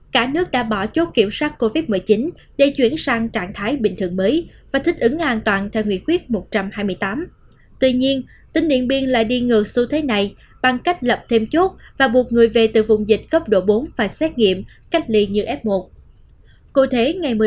các bạn hãy đăng ký kênh để ủng hộ kênh của chúng mình nhé